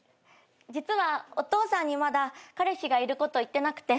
実はお父さんにまだ彼氏がいること言ってなくて。